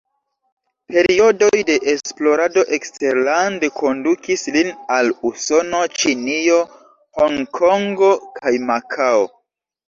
Periodoj de esplorado eksterlande kondukis lin al Usono, Ĉinio, Honkongo kaj Makao.